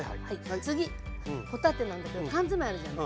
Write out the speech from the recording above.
次帆立てなんだけど缶詰あるじゃない。